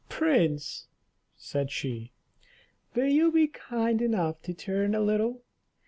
"Prince," said she, "will you be kind enough to turn a little?